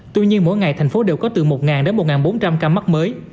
tuy nhiên mỗi ngày thành phố đều có từ một đến một bốn trăm linh ca mắc mới